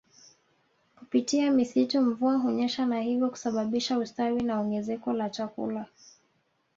Kupitia misitu mvua hunyesha na hivyo kusababisha ustawi na ongezeko la chakula